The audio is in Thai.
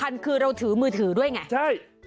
อยู่ไหน